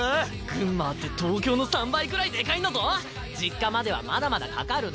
グンマーって東京の３倍くらいでかいんだぞ実家まではまだまだかかるの！